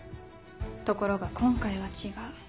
ところが今回は違う。